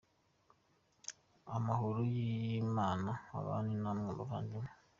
Amahoro Y’ Imana abane namwe bavandimwe.